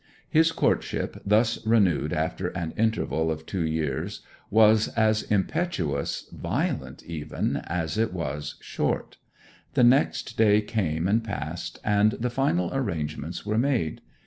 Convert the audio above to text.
His courtship, thus renewed after an interval of two years, was as impetuous, violent even, as it was short. The next day came and passed, and the final arrangements were made.